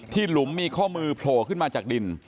หลุมมีข้อมือโผล่ขึ้นมาจากดิน